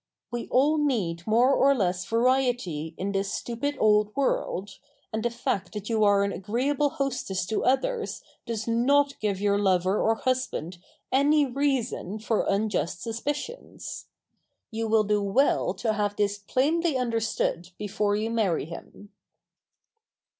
We all need more or less variety in this stupid old world, and the fact that you are an agreeable hostess to others does not give your lover or husband any reason for unjust suspicions. You will do well to have this plainly understood before you marry him.